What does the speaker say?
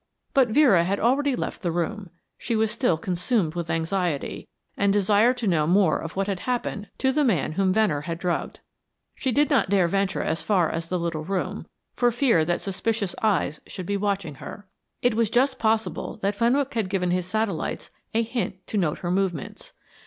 But Vera had already left the room; she was still consumed with anxiety, and desired to know more of what had happened to the man whom Venner had drugged. She did not dare venture as far as the little room, for fear that suspicious eyes should be watching her. It was just possible that Fenwick had given his satellites a hint to note her movements.